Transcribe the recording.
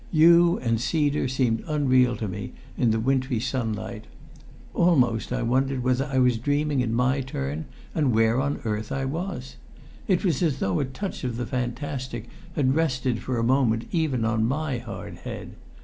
Yew and cedar seemed unreal to me in the wintry sunlight; almost I wondered whether I was dreaming in my turn, and where on earth I was. It was as though a touch of the fantastic had rested for a moment even on my hard head.